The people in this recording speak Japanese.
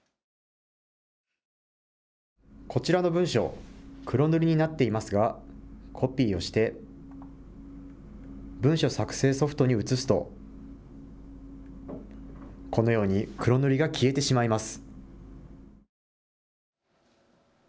こちらの文章、黒塗りになっていますがコピーをして文書作成ソフトに写すとこのように黒塗りが消えてしまいます。